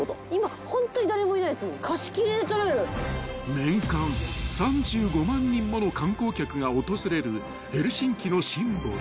［年間３５万人もの観光客が訪れるヘルシンキのシンボル］